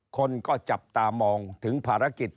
คนก็จับตามองถึงภารกิจ